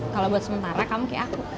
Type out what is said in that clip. kalau buat sementara kamu kayak aku